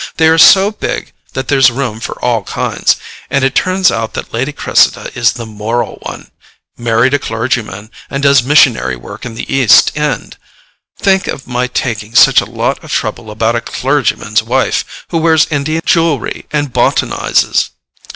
They are so big that there's room for all kinds, and it turns out that Lady Cressida is the moral one—married a clergyman and does missionary work in the East End. Think of my taking such a lot of trouble about a clergyman's wife, who wears Indian jewelry and botanizes!